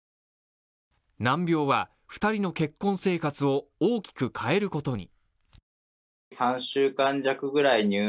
難病は２人の結婚生活を大きく変えることに。